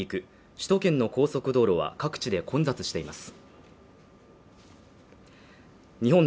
首都圏の高速道路は各地で混雑しています。